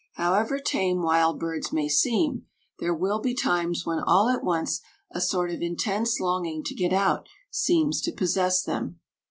However tame wild birds may seem there will be times when all at once a sort of intense longing to get out seems to possess them.